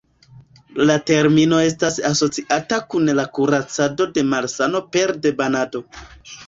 La termino estas asociata kun la kuracado de malsano pere de banado.